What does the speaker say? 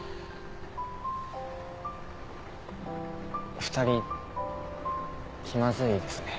２人気まずいですね。